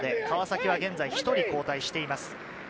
川崎は現在１人交代しています。